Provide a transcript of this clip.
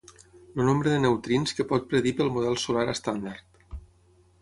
El nombre de neutrins que pot predir pel model solar estàndard.